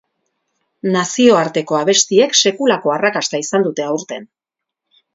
Nazioarteko abestiek sekulako arrakasta izan dute aurten.